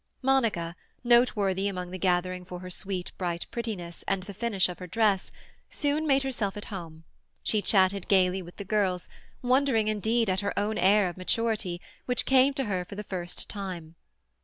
Monica, noteworthy among the gathering for her sweet, bright prettiness, and the finish of her dress, soon made herself at home; she chatted gaily with the girls—wondering indeed at her own air of maturity, which came to her for the first time.